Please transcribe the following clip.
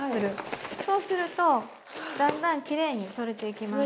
そうするとだんだんきれいに取れていきます。